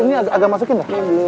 ini agak masukin